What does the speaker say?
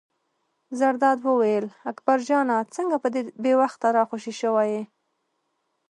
زرداد وویل: اکبر جانه څنګه په دې بې وخته را خوشې شوی یې.